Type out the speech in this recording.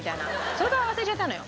それから忘れちゃったのよ